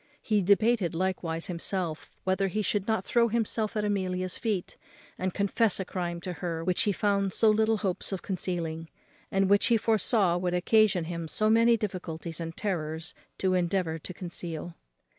He debated likewise with himself whether he should not throw himself at Amelia's feet, and confess a crime to her which he found so little hopes of concealing, and which he foresaw would occasion him so many difficulties and terrors to endeavour to conceal.